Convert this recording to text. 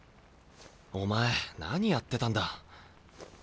お前何やってたんだ。